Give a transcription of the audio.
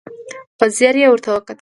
په ځير يې ورته وکتل.